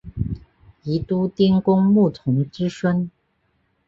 宜都丁公穆崇之孙。